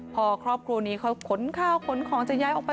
พอครอบครัวนี้เขาขนข้าวขนของจะย้ายออกไป